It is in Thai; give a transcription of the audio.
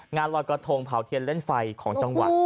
งานลอยกระทงเผาเทียนเล่นไฟของจังหวัด